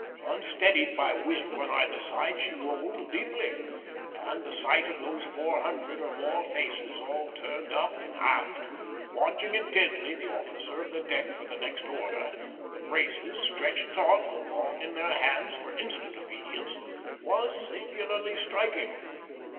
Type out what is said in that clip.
Unsteadied by wind on either side, she rolled deeply, and the sight of those four hundred or more faces, all turned up and aft, watching intently the officer of the deck for the next order, the braces stretched taut along in their hands for instant obedience, was singularly striking.